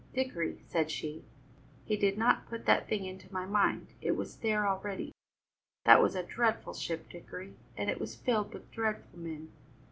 "Dickory," said she, "he did not put that thing into my mind; it was there already. That was a dreadful ship, Dickory, and it was filled with dreadful men.